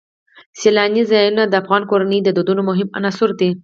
سیلانی ځایونه د افغان کورنیو د دودونو مهم عنصر دی.